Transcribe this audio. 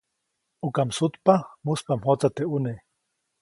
ʼUka msutpa, muspa mjotsa teʼ ʼune.